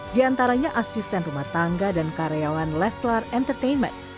diantaranya asisten rumah tangga dan karyawan leslar entertainment